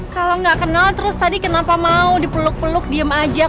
kalau nggak kenal terus tadi kenapa mau dipeluk peluk diem aja